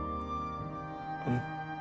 うん。